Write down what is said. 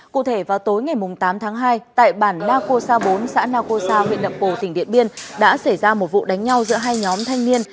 cụ thể vào tối ngày tám tháng hai tại bản naco sa bốn xã naco sa huyện nậm pồ tỉnh điện biên đã xảy ra một vụ đánh nhau giữa hai nhóm thanh niên